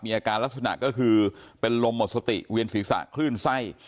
ลักษณะก็คือเป็นลมหมดสติเวียนศีรษะคลื่นไส้